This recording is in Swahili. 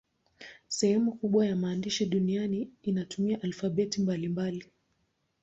Sehemu kubwa ya maandishi duniani inatumia alfabeti mbalimbali.